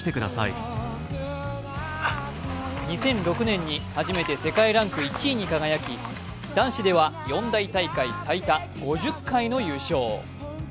２００６年に初めて世界ランク１位に輝き男子では四大大会最多５０回の優勝。